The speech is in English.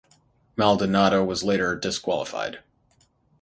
Maldonado was later disqualified.